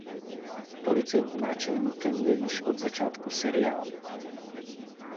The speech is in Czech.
Policejním náčelníkem je již od začátku seriálu.